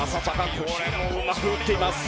これもうまく打っています。